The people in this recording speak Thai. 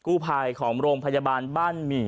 กู้ภัยของโรงพยาบาลบ้านหมี่